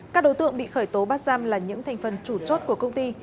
các đối tượng bị khởi tố bắt giam là những thành phần chủ chốt của công ty